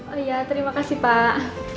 oh iya terima kasih pak